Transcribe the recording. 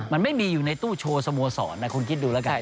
มันไม่มีอยู่ในตู้โชว์สโมสรนะคุณคิดดูแล้วกัน